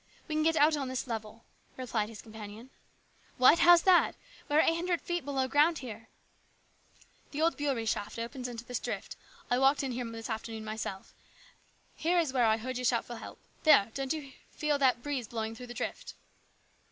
" We can get out on this level," replied his com panion. "What! How's that? We are eight hundred feet below ground here." " The old Beury shaft opens into this drift. I walked in here this afternoon myself. Here is where I heard you shout for help. There ! Don't you feel that breeze blowing through the drift